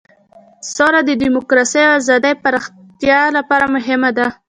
سوله د دموکراسۍ او ازادۍ پراختیا لپاره مهمه ده.